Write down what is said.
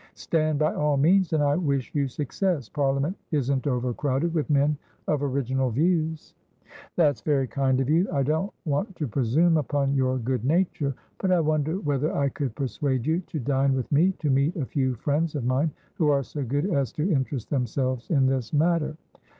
"Stand, by all means, and I wish you success. Parliament isn't overcrowded with men of original views." "That's very kind of you.I don't want to presume upon your good nature, but I wonder whether I could persuade you to dine with me, to meet a few friends of mine who are so good as to interest themselves in this matter?